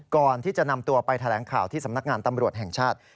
ก่อนที่จะนำตัวไปแถลงข่าวที่สำนักงานตำรวจแห่งชาติ